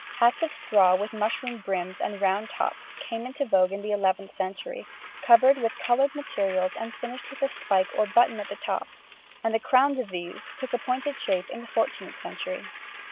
Hats of straw with mushroom brims and round tops came into vogue in the 11th century, covered with coloured materials and finished with a spike or button at the top, and the crowns of these took a pointed shape in the 14th century.